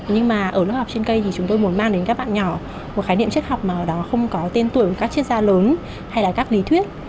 nhưng mà ở lớp học trên cây thì chúng tôi muốn mang đến các bạn nhỏ một khái niệm triết học mà ở đó không có tên tuổi của các triết gia lớn hay là các lý thuyết